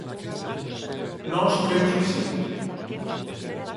Nós cremos que si.